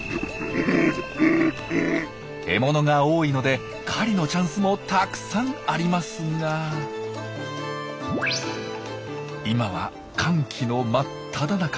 獲物が多いので狩りのチャンスもたくさんありますが今は乾季の真っただ中。